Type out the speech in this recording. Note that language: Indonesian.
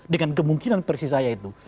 dengan kemungkinan persis saya itu